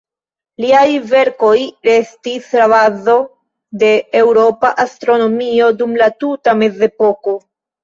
Liaj verkoj restis la bazo de eŭropa astronomio dum la tuta mezepoko.